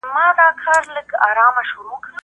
کېدای سي خواړه خراب وي.